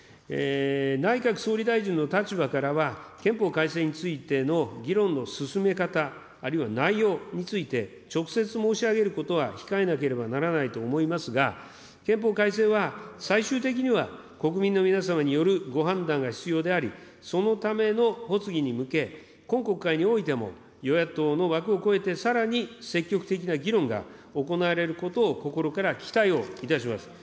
内閣総理大臣の立場からは、憲法改正についての議論の進め方、あるいは内容について、直接申し上げることは控えなければならないと思いますが、憲法改正は最終的には国民の皆様によるご判断が必要であり、そのための発議に向け、今国会においても、与野党の枠を超えてさらに積極的な議論が行われることを心から期待をいたします。